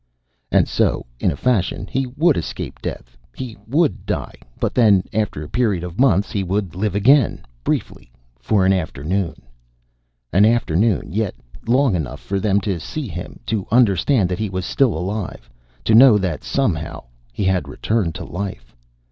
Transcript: And so, in a fashion, he would escape death. He would die, but then, after a period of months, he would live again, briefly, for an afternoon. An afternoon. Yet long enough for them to see him, to understand that he was still alive. To know that somehow he had returned to life.